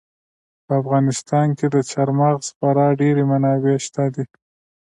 په افغانستان کې د چار مغز خورا ډېرې منابع شته دي.